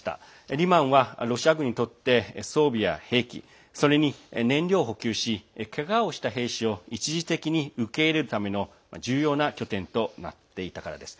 リマンはロシア軍にとって装備や兵器、それに燃料を補給しけがをした兵士を一時的に受け入れるための重要な拠点となっていたからです。